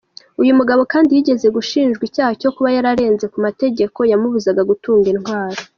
Uyu mugabo kandi yigeze gushinjwa icyaha cyo kuba yararenze ku mategeko yamubuzaga gutunga intwaro.